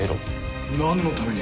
なんのために。